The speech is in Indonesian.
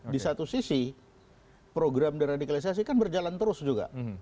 di satu sisi program deradikalisasi kan berjalan terus juga